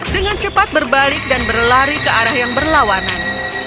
dengan cepat berbalik dan berlari ke arah yang berlawanan